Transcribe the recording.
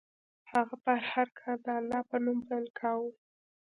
هغه به هر کار د الله په نوم پیل کاوه.